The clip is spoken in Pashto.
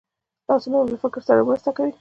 لاسونه له فکر سره مرسته کوي